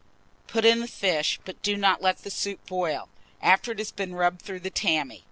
Put in the fish, but do not let the soup boil, after it has been rubbed through the tammy.